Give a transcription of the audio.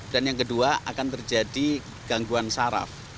dan yang kedua akan terjadi gangguan saraf